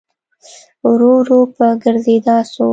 ورو ورو په ګرځېدا سو.